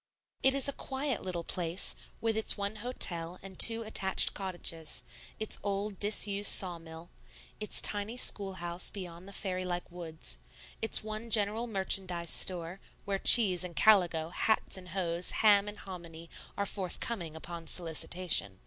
It is a quiet little place, with its one hotel and two attached cottages, its old, disused saw mill, its tiny schoolhouse beyond the fairy like woods, its one general merchandise store, where cheese and calico, hats and hoes, ham and hominy, are forthcoming upon solicitation.